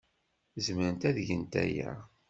Zemrent ad gent aya.